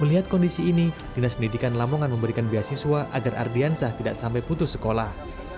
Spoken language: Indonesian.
melihat kondisi ini dinas pendidikan lamongan memberikan beasiswa agar ardiansah tidak sampai putus sekolah